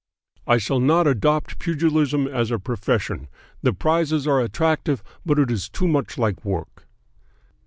I shall not adopt pugilism as a profession. The prizes are attractive, but it is too much like work.'"